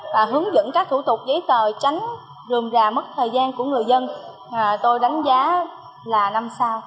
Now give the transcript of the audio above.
và hướng dẫn các thủ tục giấy tờ tránh rươm rà mất thời gian của người dân tôi đánh giá là năm sao